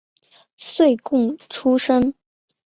岁贡出身。